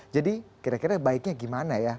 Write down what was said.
kira kira baiknya gimana ya